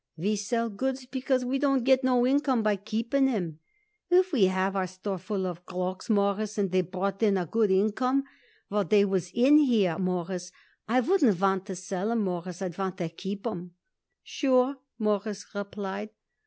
We sell goods because we don't get no income by keepin' 'em. If we have our store full with cloaks, Mawruss, and they brought in a good income while they was in here, Mawruss, I wouldn't want to sell 'em, Mawruss; I'd want to keep 'em." "Sure," Morris replied.